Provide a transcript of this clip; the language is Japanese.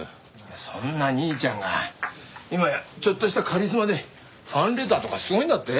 そんな兄ちゃんが今やちょっとしたカリスマでファンレターとかすごいんだって？